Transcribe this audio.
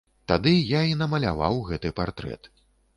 Тады я і намаляваў гэты партрэт.